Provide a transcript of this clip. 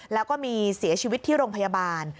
แล้วก็มีเสียชีวิตที่โรงพยาบาล